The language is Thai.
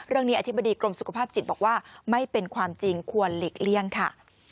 อธิบดีกรมสุขภาพจิตบอกว่าไม่เป็นความจริงควรหลีกเลี่ยงค่ะ